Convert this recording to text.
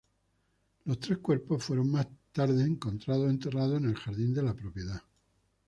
Los tres cuerpos fueron más tarde encontrados enterrados en el jardín de la propiedad.